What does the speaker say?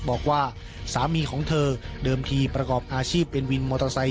บอกว่าสามีของเธอเดิมทีประกอบอาชีพเป็นวินมอเตอร์ไซค